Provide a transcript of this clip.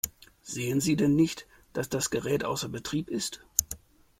Sehen Sie denn nicht, dass das Gerät außer Betrieb ist?